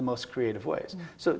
dengan cara yang paling kreatif